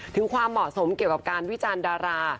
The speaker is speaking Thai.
ถึงความเหมาะสมเกี่ยวกับการวิจารณ์ดารา